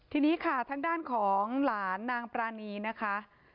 ทีนี้ค่ะทางด้านของหลานนางปรานีนะคะ